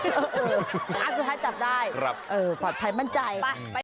สุดท้ายจับได้ปลอดภัยมั่นใจไป